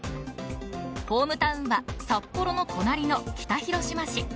ホームタウンは札幌の隣の北広島市。